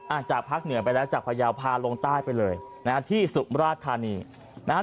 อ่าจากภาคเหนือไปแล้วจากพระยาวภาคลงใต้ไปเลยนะครับที่สุราษฎร์ธานีนะครับ